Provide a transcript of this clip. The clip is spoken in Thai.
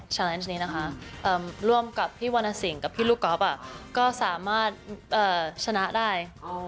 ฉะนั้นนี้นะคะร่วมกับพี่วรรณสิงห์กับพี่ลูกก๊อฟก็สามารถชนะได้